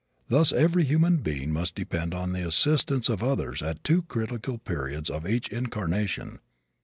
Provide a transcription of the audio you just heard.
Thus every human being must depend on the assistance of others at two critical periods of each incarnation.